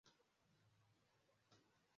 Umugabo ufite ibirahure asoma uruhande rwikibindi